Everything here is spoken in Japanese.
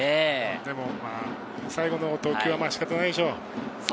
でも最後の投球は仕方ないでしょう。